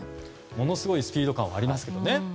ものすごいスピード感がありますね。